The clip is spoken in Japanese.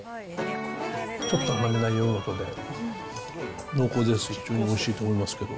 ちょっと甘めなヨーグルトで、濃厚でおいしいと思いますけど。